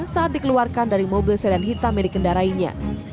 saat dikeluarkan dari mobil sedan hitam yang dikendarainya